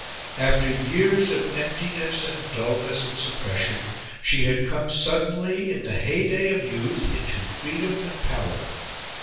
After years of emptiness and dullness and suppression, she had come suddenly, in the heyday of youth, into freedom and power.